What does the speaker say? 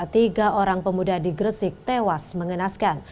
tiga orang pemuda di gresik tewas mengenaskan